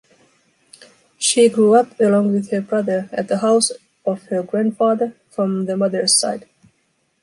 She grew up, along with her brother, at the house of her grandfather from the mother’s side.